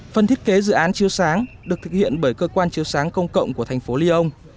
phần thiết kế dự án chiếu sáng được thực hiện bởi cơ quan chiếu sáng công cộng của thành phố lyon